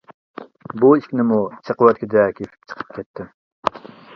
بۇ ئىشىكنىمۇ چېقىۋەتكۈدەك يېپىپ چىقىپ كەتتىم.